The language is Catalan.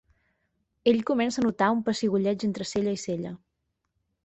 Ell comença a notar un pessigolleig entre cella i cella.